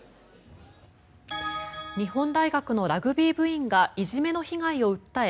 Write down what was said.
日本大学のラグビー部員がいじめの被害を訴え